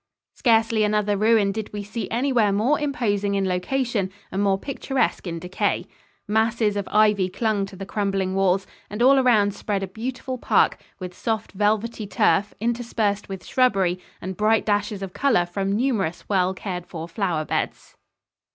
Scarcely another ruin did we see anywhere more imposing in location and more picturesque in decay. Masses of ivy clung to the crumbling walls and all around spread a beautiful park, with soft, velvety turf interspersed with shrubbery and bright dashes of color from numerous well cared for flower beds.